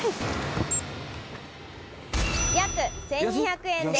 約１２００円です。